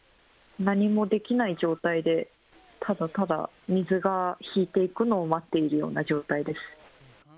何もできない状態でただただ水が引いていくのを待っているような状態です。